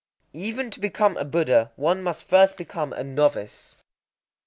_ Even to become a Buddha one must first become a novice.